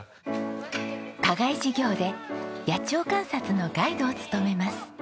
課外授業で野鳥観察のガイドを務めます。